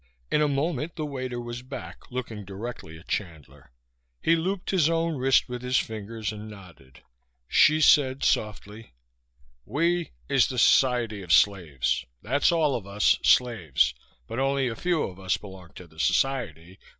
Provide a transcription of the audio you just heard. In a moment the waiter was back, looking directly at Chandler. He looped his own wrist with his fingers and nodded. Hsi said softly, "'We' is the Society of Slaves. That's all of us slaves but only a few of us belong to the Society.